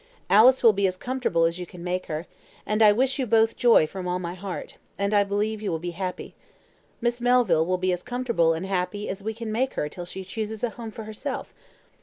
Alice will be as comfortable as you can make her, and I wish you both joy from all my heart, and I believe you will be happy. Miss Melville will be as comfortable and happy as we can make her till she chooses a home for herself.